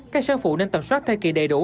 các sân phụ nên tầm soát thai kỳ đầy đủ